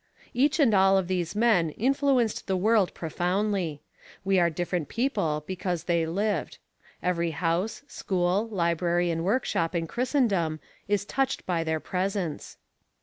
Each and all of these men influenced the world profoundly. We are different people because they lived. Every house, school, library and workshop in Christendom is touched by their presence.